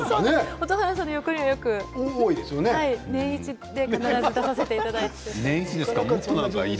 蛍原さんの横にはよく年イチで出させてもらっています。